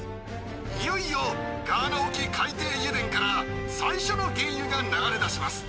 いよいよガーナ沖海底油田から最初の原油が流れ出します。